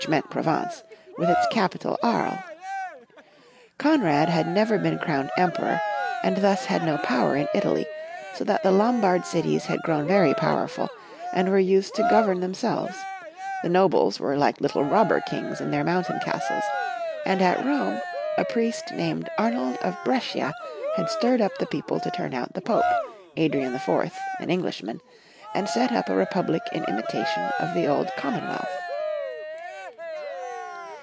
meant Provence, with its capital Aries. Konrad had never been crowned Emperor, and thus had no power in Italy, so that the Lombard cities had grown very powerful, and were used to govern themselves ; the nobles were like little robber kings in their mountain castles, and at Rome, a priest named Arnold of Brescia had stirred up the people to turn out the Pope, Adrian IV., an Englishman, and set up a Republic in imitation of the old Com monwealth.